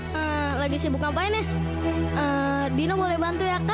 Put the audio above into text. sampai jumpa di video selanjutnya